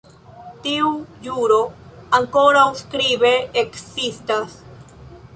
Tiu ĵuro ankoraŭ skribe ekzistas.